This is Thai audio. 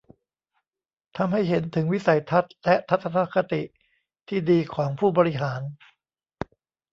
ทำให้เห็นถึงวิสัยทัศน์และทัศนคติที่ดีของผู้บริหาร